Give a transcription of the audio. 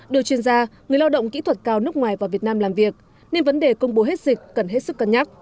đưa chuyên gia người lao động kỹ thuật cao nước ngoài vào việt nam làm việc nên vấn đề công bố hết dịch cần hết sức cân nhắc